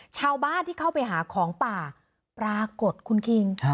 ชาวบ้านที่เข้าไปหาของป่าปรากฏคุณคิง